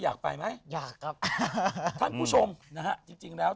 อยากไปไหมอยากครับท่านผู้ชมนะฮะจริงจริงแล้ว